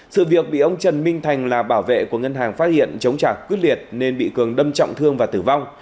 sự việc bị ông trần minh thành là bảo vệ của ngân hàng phát hiện chống trả quyết liệt nên bị cường đâm trọng thương và tử vong